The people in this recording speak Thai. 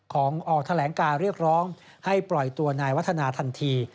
ออกแถลงการเรียกร้องให้ปล่อยตัวนายวัฒนาทันที